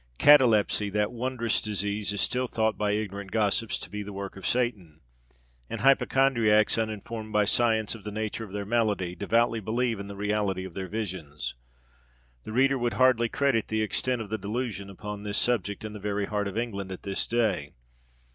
Catalepsy, that wondrous disease, is still thought by ignorant gossips to be the work of Satan; and hypochondriacs, uninformed by science of the nature of their malady, devoutly believe in the reality of their visions. The reader would hardly credit the extent of the delusion upon this subject in the very heart of England at this day.